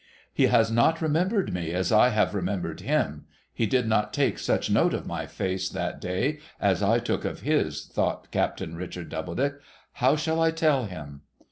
' He has not remembered me, as I have remembered hini : he did not take such note of my face, that day, as I took of his,' thought Captain Richard Doubledick. ' How shall I tell him